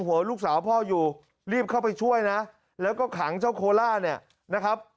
ลูกสาวพ่ออยู่รีบเข้าไปช่วยนะแล้วก็ขังเจ้าโคล่าเนี่ยนะครับ